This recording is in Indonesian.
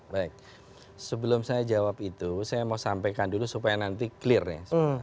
baik sebelum saya jawab itu saya mau sampaikan dulu supaya nanti clear nih